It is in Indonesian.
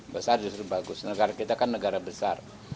besar justru bagus negara kita kan negara besar